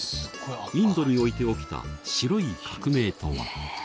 インドにおいて起きた「白い革命」とは。